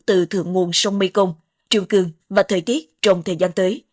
từ thượng nguồn sông mê công triều cường và thời tiết trong thời gian tới